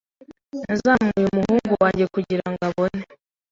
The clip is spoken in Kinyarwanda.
Nazamuye umuhungu wanjye kugirango abone.